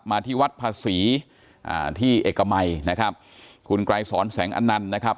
มาที่วัดภาษีที่เอกมัยนะครับคุณกลายสอนแสงอันนันนะครับ